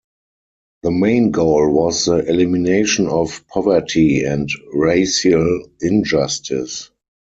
The main goal was the elimination of poverty and racial injustice.